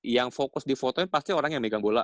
yang fokus di fotonya pasti orang yang megang bola